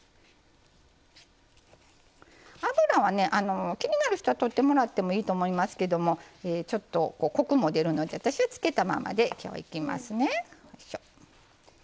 脂は、気になる人は取ってもらってもいいと思いますけれどもちょっとコクも出るので私はつけたままで今日は、いきますね。